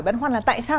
bất khoan là tại sao